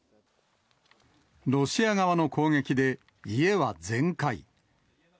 ロシア側の攻撃で家は全壊。